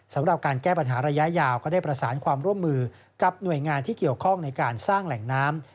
สำหรับการแก้ปัญหาระยะยาวก็ได้ประสานความร่วมมือกับหน่วยงานที่เกี่ยวข้องในการสร้างแหล่งน้ำ